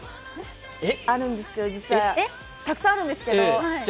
あるんですよ、たくさんあるんですけど。